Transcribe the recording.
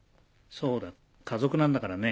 そうだ家族なんだからね。